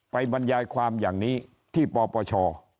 บรรยายความอย่างนี้ที่ปปช